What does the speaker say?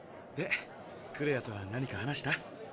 でクレアとは何か話した？